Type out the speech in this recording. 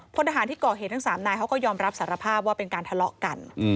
พลทหารที่ก่อเหตุทั้ง๓นายเขาก็ยอมรับสารภาพว่าเป็นการทะเลาะกัน